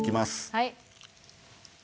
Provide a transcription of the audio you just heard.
はい。